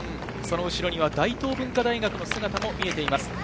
後ろには大東文化大学の姿も見えています。